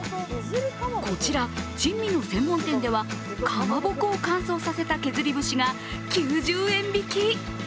こちら珍味の専門店ではかまぼこを乾燥させた削り節が９０円引き。